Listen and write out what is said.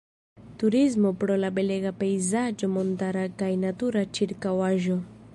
Turismo pro la belega pejzaĝo montara kaj natura ĉirkaŭaĵo.